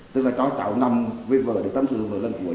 tức là cháu cháu nằm với vợ để tâm sự với vợ lần cuối